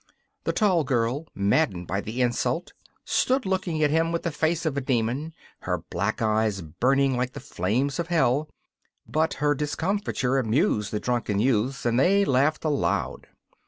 The tall girl, maddened by the insult, stood looking at him with the face of a demon, her black eyes burning like flames of hell! But her discomfiture amused the drunken youths, and they laughed aloud.